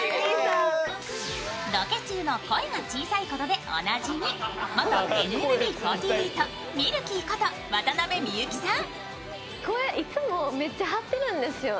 ロケ中の声が小さいことでおなじみ、元ＮＭＢのみるきーこと渡辺美優紀さん。